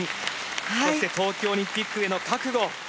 そして東京オリンピックへの覚悟。